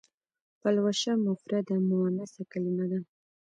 پلوشه مفرده مونثه کلمه ده.